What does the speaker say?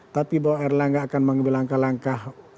tapi bahwa erlangga akan berlangkah langkah